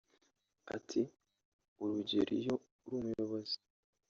Ati "Urugero iyo uri umuyobozi